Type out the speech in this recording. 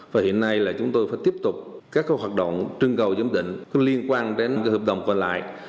và hiện nay là chúng tôi phải tiếp tục các hoạt động trưng cầu giám định liên quan đến hợp đồng còn lại